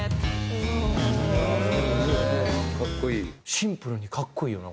シンプルに格好いいよな